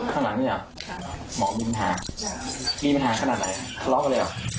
ขยับเลยอ่ะ